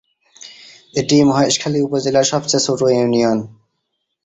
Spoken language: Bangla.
এটি মহেশখালী উপজেলার সবচেয়ে ছোট ইউনিয়ন।